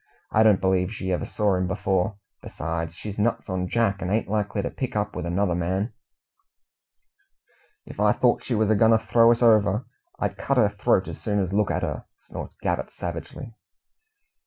"I don't believe she ever saw him before. Besides, she's nuts on Jack, and ain't likely to pick up with another man." "If I thort she was agoin' to throw us over, I'd cut her throat as soon as look at her!" snorts Gabbett savagely.